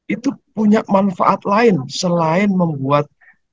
itu punya manfaat lain selain membuat